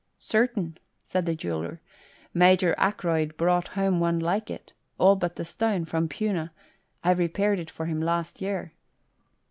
"Certain," said the jeweller. "Major Ackroyd brought home one like it, all but the stone, from Puna; I repaired it for him last year."